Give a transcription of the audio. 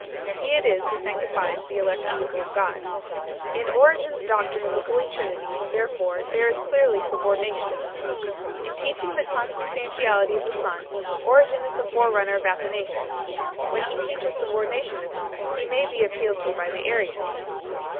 He it is Who sanctifies the elect people of God. In Origen s doctrine of the Holy Trinity therefore there is clearly subordinationism. In teaching the consub stantiality of the Son, Origen is the forerunner of Atha nasius; when he teaches subordinationism, he may be appealed to by the Arians.